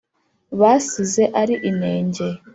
basize ari inege,